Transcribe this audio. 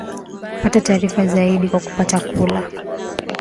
pata taarifa zaidi kwa kupata kula